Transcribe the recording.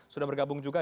sudah bergabung juga